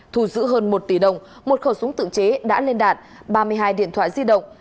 thu giữ hơn một tỷ đồng một khẩu súng tự chế đã lên đạn ba mươi hai điện thoại di động